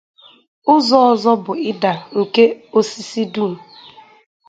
Uzo ozo bu ida nke osisi dum.